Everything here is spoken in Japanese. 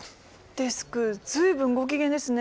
デスク随分ご機嫌ですね。